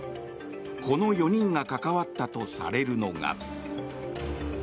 この４人が関わったとされるのが。